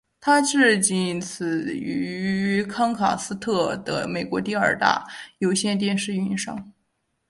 它是仅此于康卡斯特的美国第二大有线电视运营商。